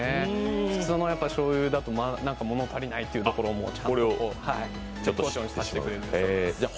普通のしょうゆだと物足りないというところをちゃんと、絶好調にさせてくれるんです。